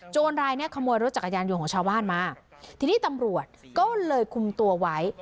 รายเนี้ยขโมยรถจักรยานยนต์ของชาวบ้านมาทีนี้ตำรวจก็เลยคุมตัวไว้